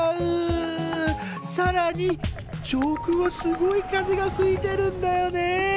さらに上空はすごい風がふいてるんだよね！